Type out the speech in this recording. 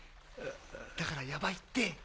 だからヤバいって。